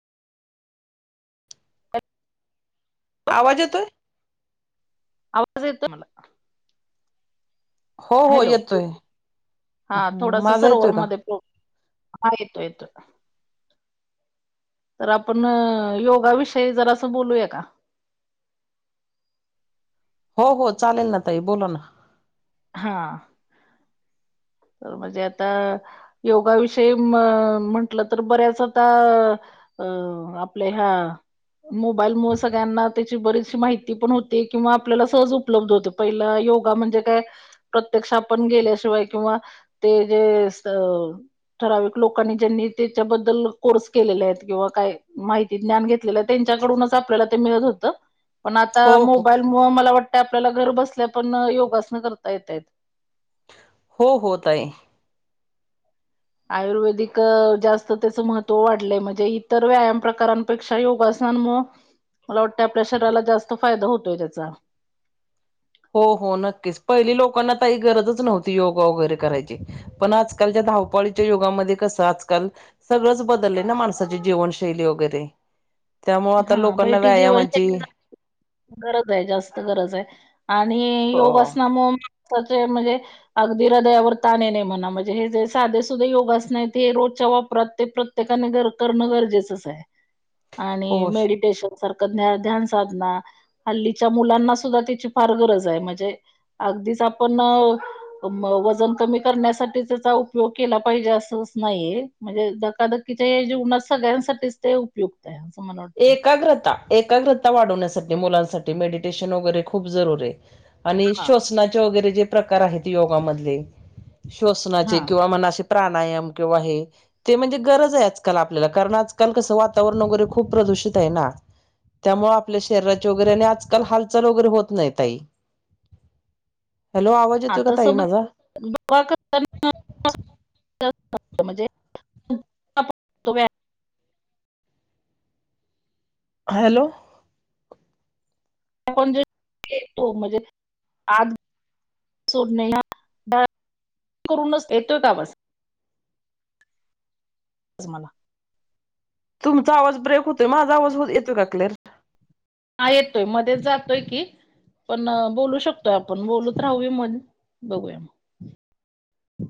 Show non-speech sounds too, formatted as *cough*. *inaudible* आवाज येतोय? आवाज येतोय मला. हो हो हॅलो येतोय हा थोडास माझा सरवरवर येतोय का? मध्ये प्रोब्लेम. हा येतोय येतोय. तर आपण योगा विषयी जरासं बोलूया का. हो हो चालेल ना ताई बोलू ना. हा तर म्हणजे आता योगाविषयी म म्हंटलं तर बऱ्याच आता. अ आपल्या ह्या मोबाईल मुळ सगळ्यांना त्याची बरीच माहिती पण होती. ते किंवा आपल्याला सहज उपलब्ध होतं. पहिला योगा म्हणजे काय. प्रत्यक्ष आपण गेल्याशिवाय किंवा ते जे स ठराविक लोकांनी ज्यांनी त्याच्याबद्दल कोर्स केलेले आहेत किंवा काय माहित ज्ञान घेतलेलं त्यांच्याकडूनच आपल्याला ते मिळत होतं. पण आता हो हो. मोबाईल मुळ मला वाटतं, आपल्याला घर बसल्या पण योगासन करता येत आहेत. हो हो ताई. आयुर्वेदिक जास्त त्याचं महत्त्व वाढलंय म्हणजे इतर व्यायाम प्रकार. पेक्षा योगासनमुळ मला वाटतं आपल्या शरीराला जास्त फायदा होतोय त्याचा. हो हो नक्कीच. पहिली लोकांना ताई गरजच नव्हती योगा वगैरे करायची. पण आजकालच्या धावपळीच्या युगामध्ये कसं आजकाल. सगळंच बदललंय ना माणसाची जीवनशैली वगैरे. त्यामुळ आता हा लोकांना बैठी व्यायामाची. जीवनशैली गरज आहे. जास्त गरज आहे आणि हो योगासनामुळ *inaudible* म्हणजे. अगदी हृदयावर तान येणे म्हणा. म्हणजे हे जे साधे सुुधे योगासन ते रोजच्या वापरात ते प्रत्ये ते करणं गरजेचंच आहे. *inaudible* आणि हो मेडिटेशन सारखं ज्ञान ध्यान साधना. हल्लीच्या मुलांना सुद्धा त्याची फार गरज आहे, म्हणजे अगदीच आपण वजन कमी करण्यासाठी त्याचा उपयोग केला पाहिजे असंच नाहीये. म्हणजे धकाधकीचे ह्या जीवनात सगळ्यांसाठीच ते उपयुक्त आहे असं मला वाटतं. एकाग्रता एकाग्रता वाढवण्यासाठी मुलांसाठी मेडिटेशन वगैरे खूप जरुरी आहे. आणि हा. श्वसनाचे वगैरे जे प्रकार आहेत योगामधले, हा श्वसनाचे किंवा म्हणा असे. प्राणायाम किंवा हे, ते म्हणजे गरज आहे आजकाल आपल्याला कारण आजकाल कसं वातावरण वगैरे, खूप प्रदूषित आहे ना. त्यामुळे आपल्या शरीराची वगैरे आणि आजकाल हालचाल वगैरे होत नाही ताई. हॅलो आवाज येतोय का ताई माझा *inaudible* आपण तो व्यायाम हॅलो ण *inaudible* जेतो म्हणजे आज *inaudible* करूनच येतोय का आवाज. मला तुमचा आवाज ब्रेक होतोय माझ आवाज हो येतो का क्लिअर? हा येतोय मध्येच जातोय की पण बोलू शकतोय आपण बोलत राहूया मण बघूया मग